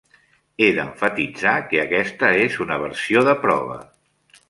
He d'emfatitzar que aquesta és una versió de prova.